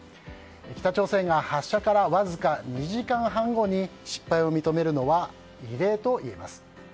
北朝鮮が発射からわずか２時間半後に失敗を認めるのは異例といえます。